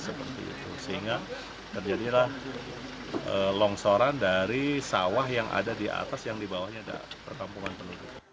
sehingga terjadilah longsoran dari sawah yang ada di atas yang di bawahnya ada perkampungan penduduk